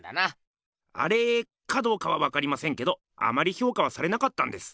「アレー」かどうかはわかりませんけどあまりひょうかはされなかったんです。